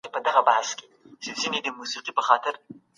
موږ باید د خپلي مځکي د آبادۍ لپاره کار وکړو.